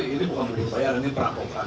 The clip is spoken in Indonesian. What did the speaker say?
ini bukan penyusupan ini perampokan